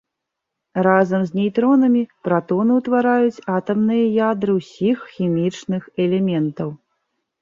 Разам з нейтронамі пратоны ўтвараюць атамныя ядры ўсіх хімічных элементаў.